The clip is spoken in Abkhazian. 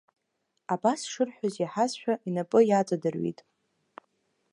Абас шырҳәоз иаҳазшәа инапы иаҵадырҩит…